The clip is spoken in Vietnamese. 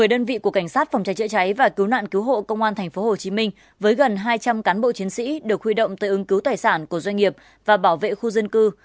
một mươi đơn vị của cảnh sát phòng cháy chữa cháy và cứu nạn cứu hộ công an tp hcm với gần hai trăm linh cán bộ chiến sĩ được huy động tới ứng cứu tài sản của doanh nghiệp và bảo vệ khu dân cư